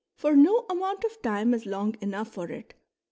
for no amount of time is long enough for it.